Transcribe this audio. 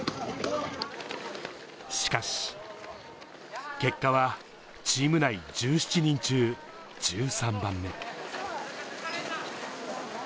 しかし。結果は、チーム内１７人中１３番目。